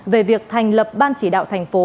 về việc thành lập ban chỉ đạo tp